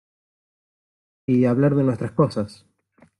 y hablar de nuestras cosas.